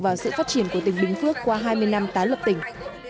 vào sự phát triển của tỉnh bình phước qua hai mươi năm tái lập tỉnh